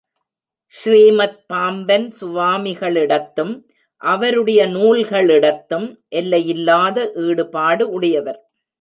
ஸ்ரீமத் பாம்பன் சுவாமிகளிடத்தும், அவருடைய நூல்களிடத்தும் எல்லையில்லாத ஈடுபாடு உடையவர்.